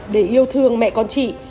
để yêu thương mẹ con chị